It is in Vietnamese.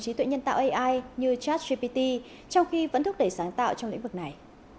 trí tuệ nhân tạo ai như chasgpt trong khi vẫn thúc đẩy sáng tạo trong lĩnh vực này